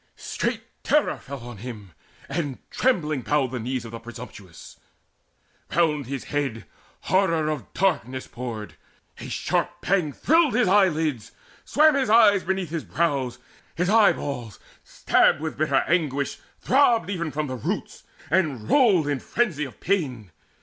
Straight terror fell on him, and trembling bowed The knees of the presumptuous: round his head Horror of darkness poured; a sharp pang thrilled His eyelids; swam his eyes beneath his brows; His eyeballs, stabbed with bitter anguish, throbbed Even from the roots, and rolled in frenzy of pain.